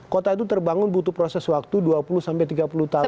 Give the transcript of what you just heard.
kota itu terbangun butuh proses waktu dua puluh sampai tiga puluh tahun